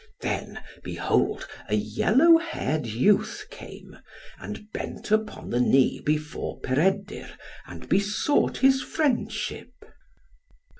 Then, behold a yellow haired youth came, and bent upon the knee before Peredur, and besought his friendship.